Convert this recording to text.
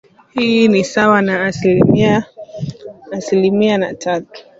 Hii ni sawa na asilimia hamsini na tatu